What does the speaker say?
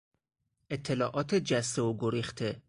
اطلاعات جسته و گریخته